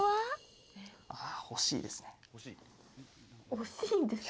惜しいんですか？